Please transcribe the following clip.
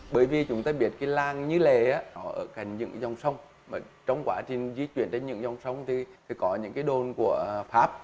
bởi vì chúng ta biết cái làng như lề ở cạnh những dòng sông trong quá trình di chuyển trên những dòng sông thì phải có những cái đồn của pháp